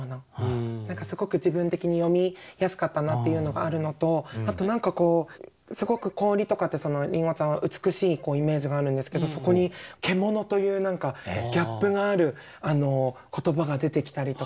何かすごく自分的に読みやすかったなっていうのがあるのとあと何かこうすごく氷とかってりんごちゃんは美しいイメージがあるんですけどそこに「獣」という何かギャップがある言葉が出てきたりとか。